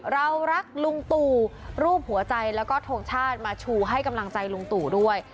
เรารักลุงตู่รูปหัวใจแล้วก็ทงชาติมาชูให้กำลังใจลุงตู่ด้วย